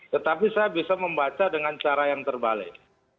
tetapi saya bisa membaca dengan cara yang terbalik